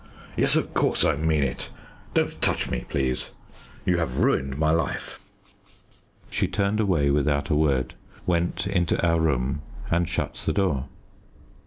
Yes of course I mean it. Don't touch me, please! You have ruined my life." She turned away without a word, went into our room, and shut the door.